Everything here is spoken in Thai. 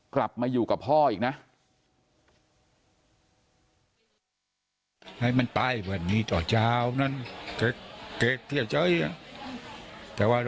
กลับมาอยู่กับพ่ออีกนะ